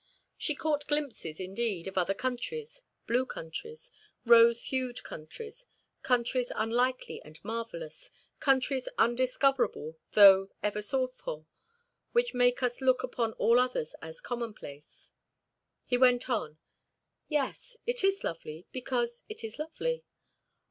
She caught glimpses, indeed, of other countries, blue countries, rose hued countries, countries unlikely and marvelous, countries undiscoverable though ever sought for, which make us look upon all others as commonplace. He went on: "Yes, it is lovely, because it is lovely.